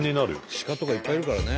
鹿とかいっぱいいるからね。